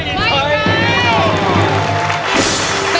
ขอบคุณครับ